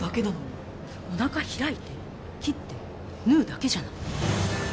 おなか開いて切って縫うだけじゃない。